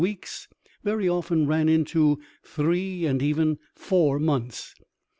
weeks very often ran into three and even into four months.